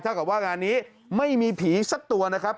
กับว่างานนี้ไม่มีผีสักตัวนะครับ